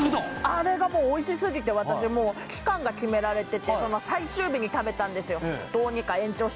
あれがもうおいしすぎて私もう期間が決められててその最終日に食べたんですよ